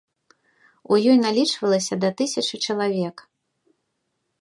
У ёй налічвалася да тысячы чалавек.